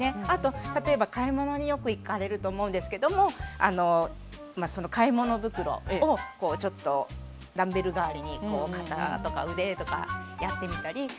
あと例えば買い物によく行かれると思うんですけども買い物袋をちょっとダンベル代わりに肩とか腕とかやってみたり。